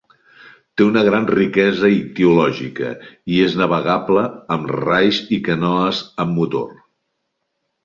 Té una gran riquesa ictiològica i és navegable amb rais i canoes amb motor.